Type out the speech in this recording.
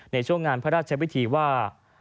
ในช่วงงานพระราชวิธีว่า